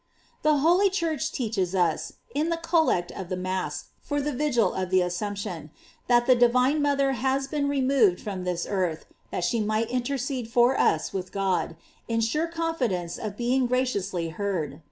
* The holy Church teaches us, in the collect of the Mass for the Vigil of the Assumption, thai the divine mother has been removed from this earth that she might intercede for us with God, in sure confidence of being graciously heard.